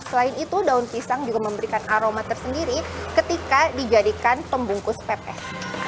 selain itu daun pisang juga memberikan aroma tersendiri ketika dijadikan pembungkus pepes